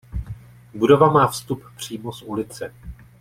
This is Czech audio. Budova má vstup přímo z ulice.